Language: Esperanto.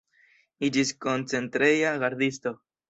Iĝis koncentreja gardisto.